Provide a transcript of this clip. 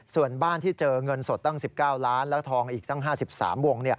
ส่วนบ้านที่เจอเงินสดตั้ง๑๙ล้านแล้วทองอีกตั้ง๕๓วง